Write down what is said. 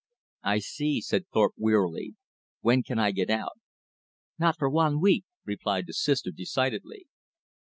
"I see," said Thorpe wearily, "when can I get out?" "Not for wan week," replied the Sister decidedly.